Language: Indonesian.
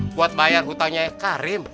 buat bayar hutangnya karim